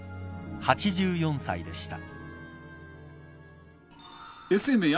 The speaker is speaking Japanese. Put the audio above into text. ８４歳でした。